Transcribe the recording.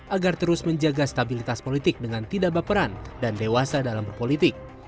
agar terus menjaga stabilitas politik dengan tidak baperan dan dewasa dalam berpolitik